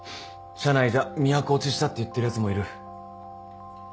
社内じゃ「都落ちした」って言ってるやつもいる。